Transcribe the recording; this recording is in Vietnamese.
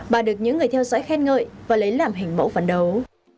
bà được những người theo dõi khen ngợi và lấy làm hình mẫu phần đầu